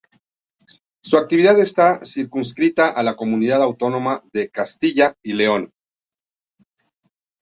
Su actividad está circunscrita a la comunidad autónoma de Castilla y León.